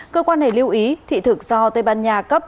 cơ quan này lưu ý thị thực do tây ban nha cấp